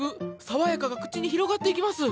爽やかが口に広がっていきます！